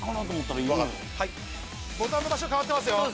ボタンの場所替わってます。